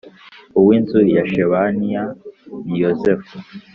uwinzu ya Shebaniya ni Yozefu